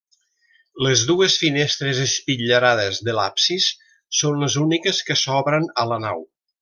Les dues finestres espitllerades de l'absis són les úniques que s'obren a la nau.